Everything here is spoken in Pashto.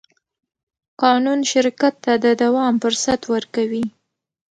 قانون شرکت ته د دوام فرصت ورکوي.